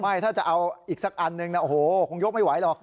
ถ้าจะเอาอีกสักอันนึงนะโอ้โหคงยกไม่ไหวหรอก